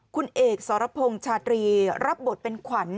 คุณเอกสรพงศ์ชาตรีรับบทเป็นขวัญ